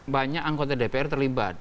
banyak anggota dpr terlibat